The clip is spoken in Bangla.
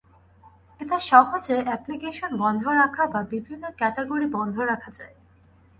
এতে সহজে অ্যাপ্লিকেশন বন্ধ রাখা বা বিভিন্ন ক্যাটাগরি বন্ধ রাখা যায়।